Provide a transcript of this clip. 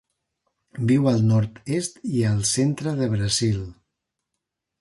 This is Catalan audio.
Viu al nord-est i el centre del Brasil.